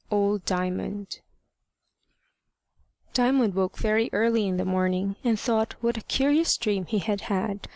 OLD DIAMOND DIAMOND woke very early in the morning, and thought what a curious dream he had had.